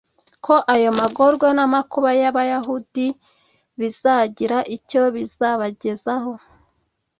ko ayo magorwa n'amakuba y'abayahudi bizagira icyo bizabagezaho